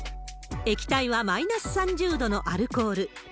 液体はマイナス３０度のアルコール。